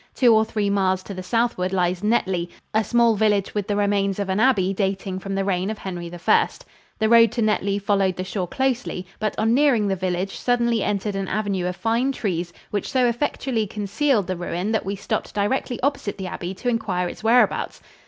Two or three miles to the southward lies Netley, a small village with the remains of an abbey dating from the reign of Henry I. The road to Netley followed the shore closely, but on nearing the village suddenly entered an avenue of fine trees which so effectually concealed the ruin that we stopped directly opposite the abbey to inquire its whereabouts.